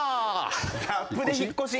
ラップで引っ越し？